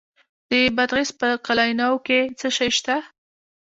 د بادغیس په قلعه نو کې څه شی شته؟